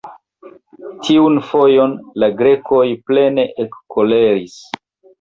Tiun fojon, la Grekoj plene ekkoleris.